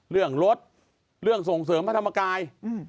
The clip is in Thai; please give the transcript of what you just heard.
เรื่องรถเรื่องส่งเสริมพระธรรมกาย